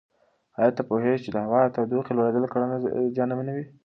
ایا ته پوهېږې چې د هوا د تودوخې لوړېدل کرنه زیانمنوي؟